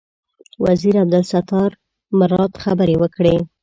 وزیر عبدالستار مراد خبرې وکړې.